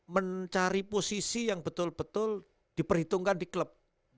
mencari posisi yang betul betul diperhitungkan di klub